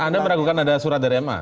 anda meragukan ada surat dari ma